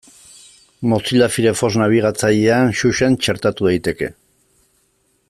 Mozilla Firefox nabigatzailean Xuxen txertatu daiteke.